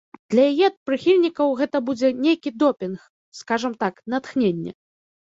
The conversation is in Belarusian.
Для яе прыхільнікаў гэта будзе нейкі допінг, скажам так, натхненне.